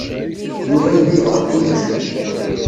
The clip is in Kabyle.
Yuba yella yebɣa kullec.